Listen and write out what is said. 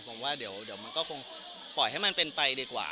ผมว่าเดี๋ยวมันก็คงปล่อยให้มันเป็นไปดีกว่า